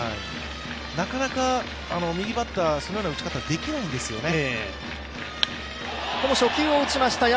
なかなか右バッターはそのような打ち方できないんですよね。